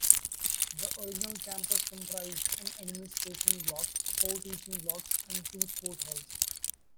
The original campus comprised an administration block, four teaching blocks and two sports halls.